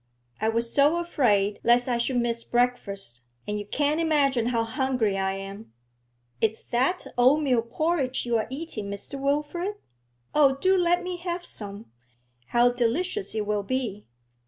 I was so afraid lest I should miss breakfast, and you can't imagine how hungry I am. Is that oatmeal porridge you are eating, Mr. Wilfrid? Oh, do let me have some; how delicious it will be!'